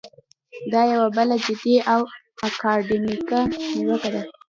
دا یوه بله جدي او اکاډمیکه نیوکه ده.